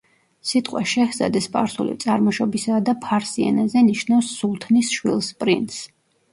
სიტყვა „შეჰზადე“ სპარსული წარმოშობისაა და ფარსი ენაზე ნიშნავს „სულთნის შვილს, პრინცს“.